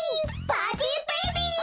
パーティーベイビーズ！